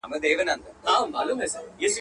پر پردۍ خاوره بوډا سوم په پردي ګور کي ښخېږم.